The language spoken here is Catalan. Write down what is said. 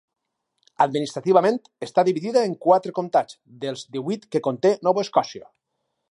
Administrativament està dividida en quatre comtats, dels divuit que conté Nova Escòcia.